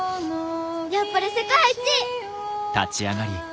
やっぱり世界一！